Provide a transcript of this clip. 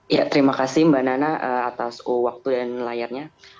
ya terima kasih mbak nana atas waktu dan layarnya